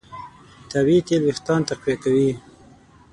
طبیعي تېل وېښتيان تقویه کوي.